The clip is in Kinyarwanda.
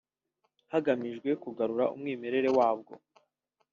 hagamijwe kugarura umwimerere wabwo